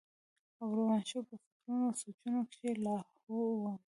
او روان شو پۀ فکرونو او سوچونو کښې لاهو وم